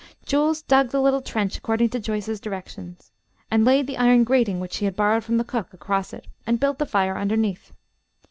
Jules dug the little trench according to Joyce's directions, and laid the iron grating which she had borrowed from the cook across it, and built the fire underneath.